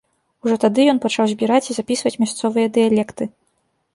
Ужо тады ён пачаў збіраць і запісваць мясцовыя дыялекты.